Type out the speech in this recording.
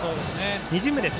２巡目です。